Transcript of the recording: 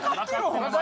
ホンマに。